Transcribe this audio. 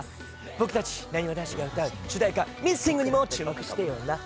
僕たちなにわ男子が歌う主題歌『Ｍｉｓｓｉｎｇ』にも注目してよな！